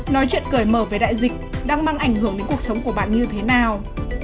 nói chuyện cởi mở về đại dịch đang mang ảnh hưởng đến cuộc sống của bạn như thế nào